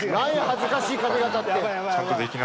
恥ずかしい髪型って。